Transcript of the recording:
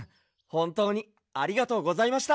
ほんとうにありがとうございました。